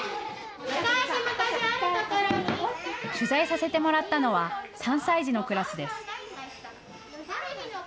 取材させてもらったのは３歳児のクラスです。